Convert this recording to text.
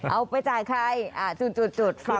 เอาไปจ่ายใครจุดฟัง